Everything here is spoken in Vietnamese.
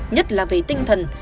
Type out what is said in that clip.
nhất là về tinh thần